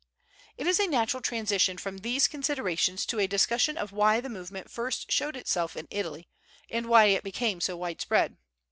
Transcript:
It is a natural transition from these considerations to a discussion of why the movement first showed itself in Italy and why it became so widespread.